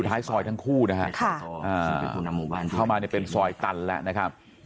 ท้ายซอยทั้งคู่นะฮะเข้ามาเนี่ยเป็นซอยตันแล้วนะครับ